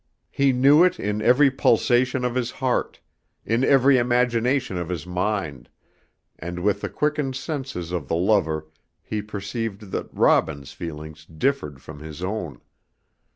He knew it in every pulsation of his heart, in every imagination of his mind, and with the quickened senses of the lover he perceived that Robin's feelings differed from his own.